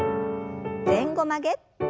前後曲げ。